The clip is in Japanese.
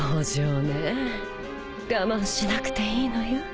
我慢しなくていいのよ。